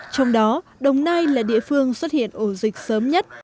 trong đó đồng nai là địa phương xuất hiện ổ dịch sớm nhất